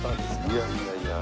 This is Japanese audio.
いやいやいや。